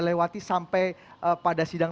lewati sampai pada sidang